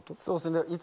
そうっすね。